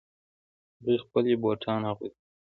هغې خپلې بوټان اغوستې